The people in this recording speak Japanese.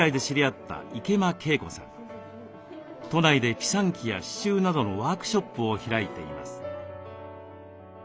都内でピサンキやししゅうなどのワークショップを開いています。